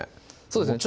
そうですね